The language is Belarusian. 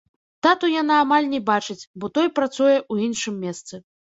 Тату яна амаль не бачыць, бо той працуе ў іншым месцы.